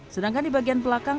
sedangkan di bagian belakang